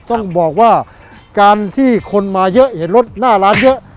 ต้องบอกว่าการที่คนมาเยอะเห็นรถหน้าร้านเยอะ